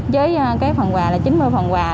với cái phần quà là chín mươi phần quà